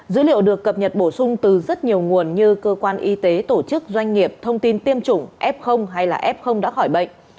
dữ liệu được cập nhật bổ sung từ rất nhiều nguồn như cơ quan y tế tổ chức doanh nghiệp thông tin tiêm chủng f hay là f đã khỏi bệnh